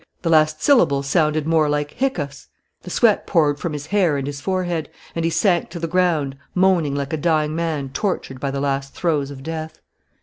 The last syllables sounded more like hiccoughs. The sweat poured from his hair and his forehead, and he sank to the ground, moaning like a dying man tortured by the last throes of death.